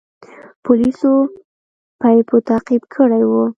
پولیسو بیپو تعقیب کړی و.